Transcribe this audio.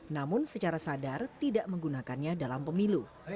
namun secara sadar tidak menggunakannya dalam pemilu